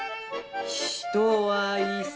「人はいさ」。